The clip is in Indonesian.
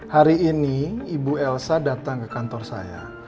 hari ini ibu elsa datang ke kantor saya